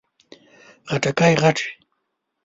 خټکی غټ وي.